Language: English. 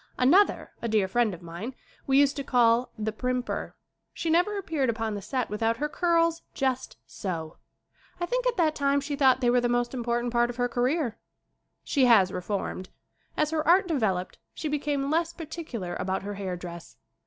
Another, a dear friend of mine, we used to call "The Primper." She never appeared upon the set without her curls just so. I think at that time she thought they were the most im portant part of her career. She has reformed. As her art developed she became less particular about her hair dress.